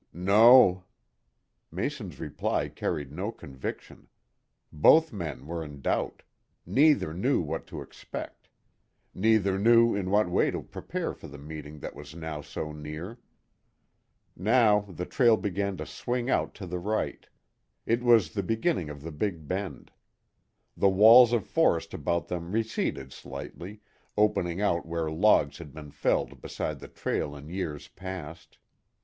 "No." Mason's reply carried no conviction. Both men were in doubt. Neither knew what to expect. Neither knew in what way to prepare for the meeting that was now so near. Now the trail began to swing out to the right. It was the beginning of the big bend. The walls of forest about them receded slightly, opening out where logs had been felled beside the trail in years past.